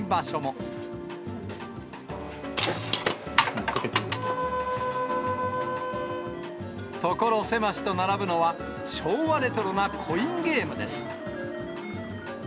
所狭しと並ぶのは、昭和レトロなコインゲームです。